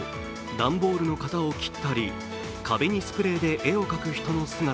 段ボールの型を切ったり、壁にスプレーで絵を描く人の姿。